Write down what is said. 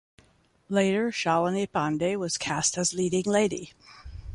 Later Shalini Pandey was cast as leading lady.